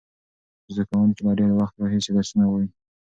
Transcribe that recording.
زده کوونکي له ډېر وخت راهیسې درسونه وایي.